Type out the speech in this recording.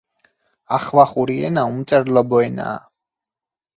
ახვახური ენა უმწერლობო ენაა.